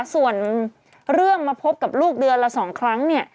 ส่วนเรื่องมาพบกับลูกเดือนละ๒ครั้ง